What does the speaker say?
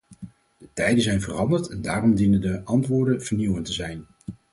De tijden zijn veranderd en daarom dienen de antwoorden vernieuwend te zijn.